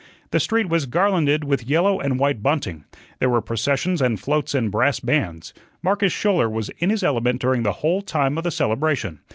The street was garlanded with yellow and white bunting; there were processions and "floats" and brass bands. Marcus Schouler was in his element during the whole time of the celebration.